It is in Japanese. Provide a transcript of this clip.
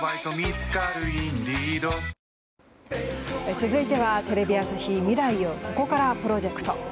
続いてはテレビ朝日未来をここからプロジェクト。